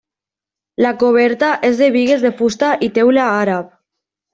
La coberta és de bigues de fusta i teula àrab.